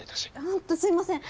本当すいません！